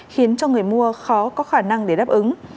khiến cho người mua khó có khả năng để đáp ứng